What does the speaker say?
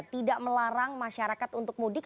tidak melarang masyarakat untuk mudik